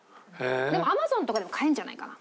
でもＡｍａｚｏｎとかでも買えるんじゃないかな？